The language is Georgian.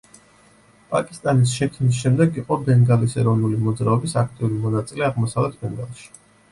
პაკისტანის შექმნის შემდეგ იყო ბენგალის ეროვნული მოძრაობის აქტიური მონაწილე აღმოსავლეთ ბენგალში.